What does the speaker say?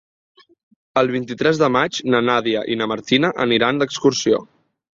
El vint-i-tres de maig na Nàdia i na Martina aniran d'excursió.